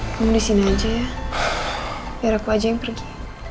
kamu disini aja ya biar aku aja yang pergi